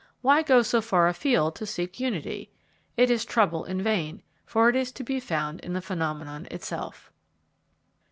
Why go so far afield to seek unity? It is trouble in vain: for it is to be found in the phenomenon itself.